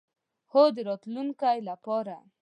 هو، د راتلونکی لپاره